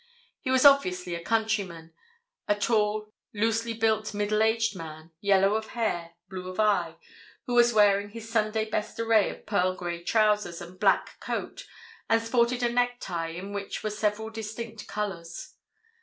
He was obviously a countryman, a tall, loosely built, middle aged man, yellow of hair, blue of eye, who was wearing his Sunday best array of pearl grey trousers and black coat, and sported a necktie in which were several distinct colours.